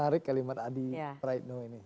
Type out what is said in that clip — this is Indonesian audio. menarik kalimat adi praitno ini